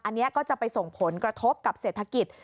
อันนี้ก็จะไปส่งผลกระทบกับเศรษฐกิจ